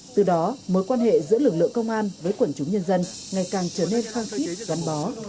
từ đó mối quan hệ giữa lực lượng công an với quân chúng nhân dân ngày càng trở nên phan xích gắn bó